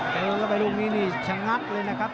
เต็มเข้าไปลูกนี้ชะงัดเลยนะครับ